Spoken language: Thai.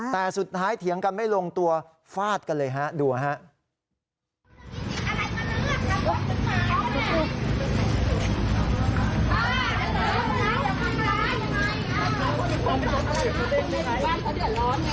แต่สุดท้ายเถียงกันไม่ลงตัวฟาดกันเลยฮะดูนะฮะ